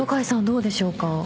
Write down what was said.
どうでしょうか？